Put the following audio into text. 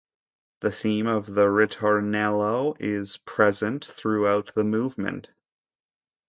The theme of the ritornello is present throughout the movement.